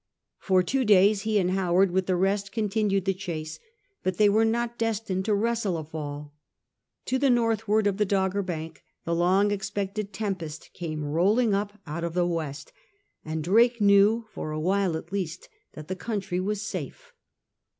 For two days he and Howard with the rest continued the chase, but they were not destined to wrestle a fall. To the northward of the Dogger Bank the long expected tempest came rolling up out of the west, and Drake knew, for a while at least, that the country was safe.